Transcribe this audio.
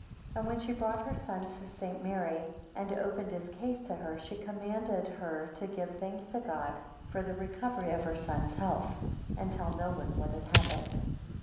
11 And when she brought her son to St. Mary, and opened his case to her, she commanded her to give thanks to God for the recovery of her son's health, and tell no one what had happened.